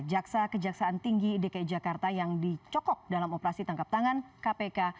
jaksa kejaksaan tinggi dki jakarta yang dicokok dalam operasi tangkap tangan kpk